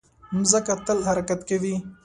مځکه تل حرکت کوي.